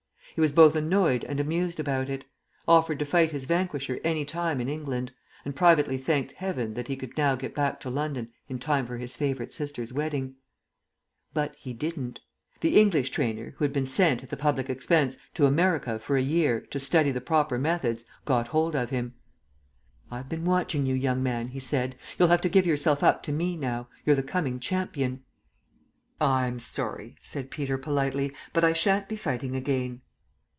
He was both annoyed and amused about it; offered to fight his vanquisher any time in England; and privately thanked Heaven that he could now get back to London in time for his favourite sister's wedding. But he didn't. The English trainer, who had been sent, at the public expense, to America for a year, to study the proper methods, got hold of him. "I've been watching you, young man," he said. "You'll have to give yourself up to me now. You're the coming champion." "I'm sorry," said Peter politely, "but I shan't be fighting again."